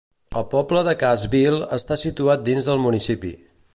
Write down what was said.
El poble de Cassville està situat dins del municipi.